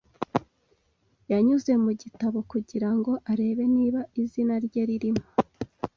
Yanyuze mu gitabo kugira ngo arebe niba izina rye ririmo.